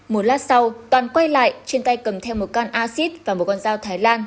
một lát sau toàn quay lại trên tay cầm theo một can acid và một con dao thái lan